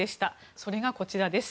それがこちらです。